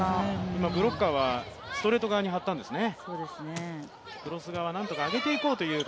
今、ブロッカーはストレート側に張ったんですね。